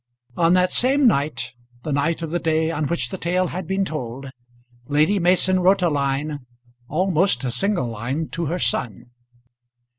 On that same night, the night of the day on which the tale had been told, Lady Mason wrote a line, almost a single line to her son.